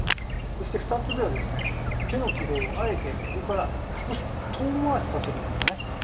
そして２つ目は、手の軌道をあえてここから少し遠回しさせるんですよね。